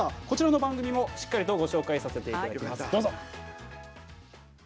こちらの番組もしっかりとご紹介させていただきます。